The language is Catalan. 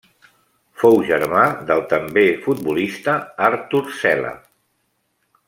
Fou germà del també futbolista Artur Cella.